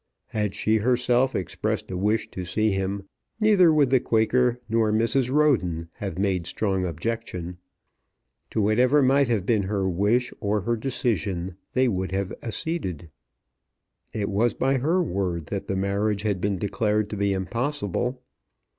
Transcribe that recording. Had she herself expressed a wish to see him, neither would the Quaker nor Mrs. Roden have made strong objection. To whatever might have been her wish or her decision they would have acceded. It was by her word that the marriage had been declared to be impossible.